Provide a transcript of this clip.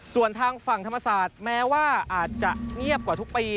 ส่วนทางฝั่งธรรมศาสตร์แม้ว่าอาจจะเงียบกว่าทุกปี